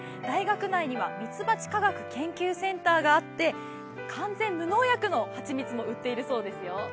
大学内にはミツバチ科学研究センターがあって完全無農薬の蜂蜜も売っているそうですよ。